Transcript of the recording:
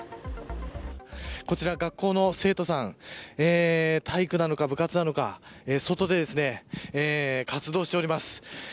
こちら、学校の生徒さん体育なのか部活なのか外で活動しております。